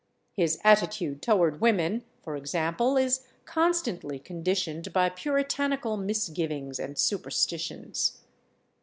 His attitude toward women, for example, is constantly conditioned by puritanical misgivings and superstitions.